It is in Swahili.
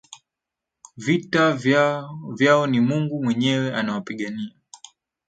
Vita vyao ni Mungu mwenyewe anawapigania.